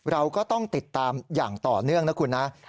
เราก็ต้องติดตามอย่างต่อเนื่องนะคุณนะ